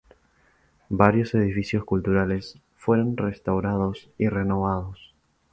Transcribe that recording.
Varios edificios culturales fueron restaurados y renovados.